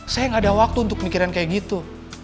saya gak ada waktu untuk mikirin kayak gitu